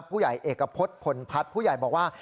ผู้ใหญ่เอกพฤษผลพัฒน์ผู้ใหญ่บอกว่า